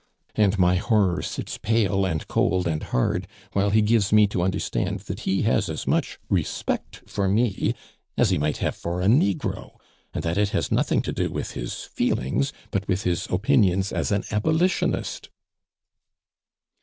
And my horror sits pale, and cold, and hard while he gives me to understand that he has as much respect for me as he might have for a Negro, and that it has nothing to do with his feelings, but with his opinions as an abolitionist."